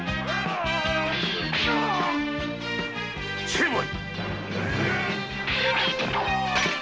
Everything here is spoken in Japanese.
成敗！